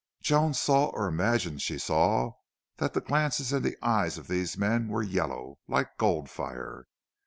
Joan saw or imagined she saw that the glances in the eyes of these men were yellow, like gold fire.